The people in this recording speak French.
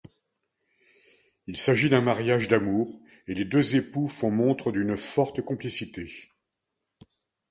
Il s’agit d’un mariage d’amour et les deux époux font montre d’une forte complicité.